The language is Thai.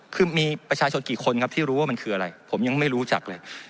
คือมีประชาชนกี่คนครับที่รู้ว่ามันคืออะไรผมยังไม่รู้จักเลย